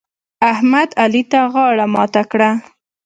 احمد؛ علي ته غاړه ماته کړه.